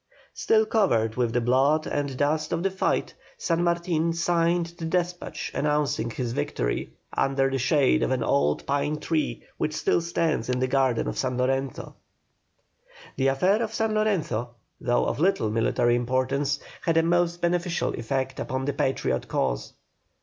Still covered with the blood and dust of the fight, San Martin signed the despatch announcing his victory, under the shade of an old pine tree which still stands in the garden of San Lorenzo. The affair of San Lorenzo, though of little military importance, had a most beneficial effect upon the Patriot cause.